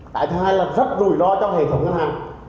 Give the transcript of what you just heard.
cái thứ hai là rất rủi ro cho hệ thống ngân hàng